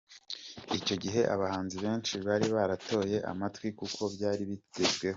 Icyo gihe abahanzi benshi bari baratoboye amatwi kuko byari bigezweho.